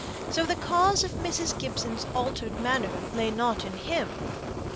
So the cause of Mrs. Gibson's altered manner lay not in him.